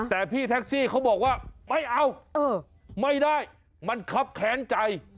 แต่พี่แท็กซี่เขาบอกว่าไม่เอาไม่ได้มันครับแค้นใจ